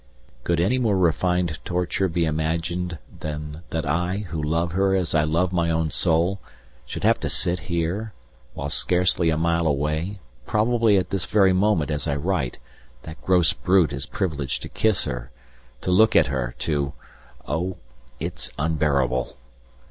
Could any more refined torture be imagined than that I, who love her as I love my own soul, should have to sit here, whilst scarcely a mile away, probably at this very moment as I write, that gross brute is privileged to kiss her, to look at her, to oh! it's unbearable.